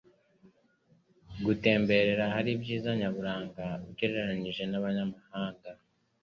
gutemberera ahari ibyiza nyaburanga ugereranyije n'abanyamahanga.